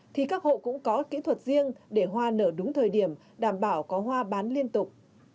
thì các hộ cũng có kỹ thuật riêng để hoa nở đúng thời điểm đảm bảo có hoa bán liên tục